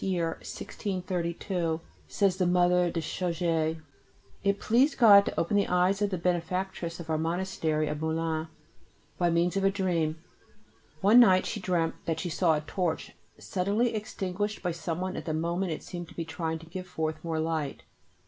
ii. 12. [B] In the early part of the summer of this year, 1632, says the Mother de Chaugy, "it pleased God to open the eyes of the Benefactress of our monastery of Moulins by means of a dream. One night she dreamt that she saw a torch suddenly extinguished by someone at the moment it seemed to be trying to give forth more light.